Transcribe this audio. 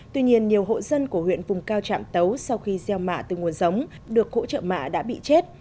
tuy nhiên nhiều hộ dân của huyện vùng cao trạm tấu sau khi gieo mạ từ nguồn giống được hỗ trợ mạ đã bị chết